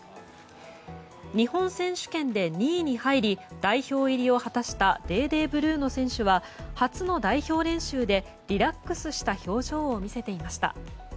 日本選手権で２位に入り代表入りを果たしたデーデー・ブルーノ選手は初の代表練習でリラックスした表情を見せていました。